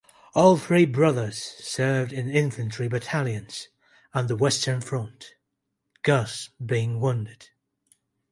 All three brothers served in infantry battalions on the Western Front, Gus being wounded.